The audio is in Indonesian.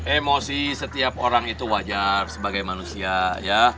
emosi setiap orang itu wajar sebagai manusia ya